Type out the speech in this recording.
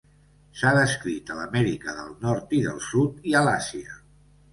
S'ha descrit a l'Amèrica del Nord i del Sud i a l'Àsia.